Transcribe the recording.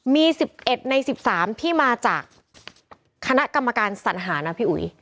มี๑๑ใน๑๓ที่มาจากคณะกรรมการสัญหานะพี่อุ๋ย